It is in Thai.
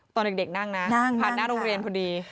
ตอนเด็กนั่งนะผ่านหน้าโรงเรียนพอดี